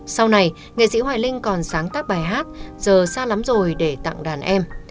sau này nghệ sĩ hoài linh còn sáng tác bài hát giờ xa lắm rồi để tặng đàn em